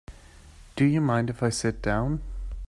Do you mind if I sit down?